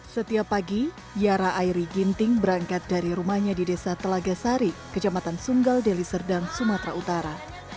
setiap pagi yara airi ginting berangkat dari rumahnya di desa telaga sari kejamatan sunggal deli serdang sumatera utara